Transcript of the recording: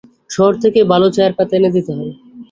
শহর থেকে ভালো চায়ের পাতা এনে দিতে হয়।